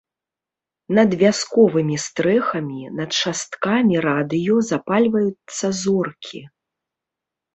Над вясковымі стрэхамі, над шасткамі радыё запальваюцца зоркі.